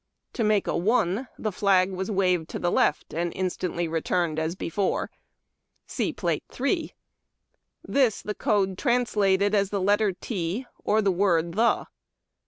To make " 1 " the flag was waved to the left, and instantly returned as before. See plate 3. This the code translated as the letter " t " and the word " the."